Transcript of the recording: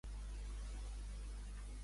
Podries posar a aspirar el robot aspirador?